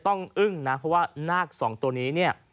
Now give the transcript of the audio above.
อึ้งนะเพราะว่านาคสองตัวนี้เนี่ย